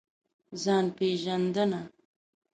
ځان پېژندنه.